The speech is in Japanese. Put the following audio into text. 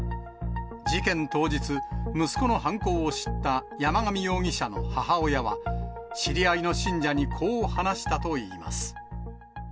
事件当日、息子の犯行を知った山上容疑者の母親は、知り合いの信者にこう話したといいます。